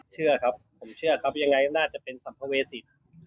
เชื่อครับผมเชื่อครับยังไงน่าจะเป็นสัมภเวษี